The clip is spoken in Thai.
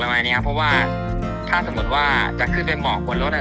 เพราะว่าถ้าสมมติว่าจะขึ้นไปบอกคนลด